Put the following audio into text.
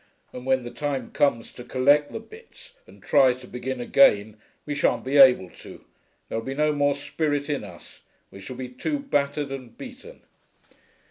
And when the time comes to collect the bits and try to begin again, we shan't be able to; there'll be no more spirit in us; we shall be too battered and beaten....'